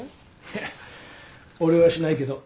いや俺はしないけど。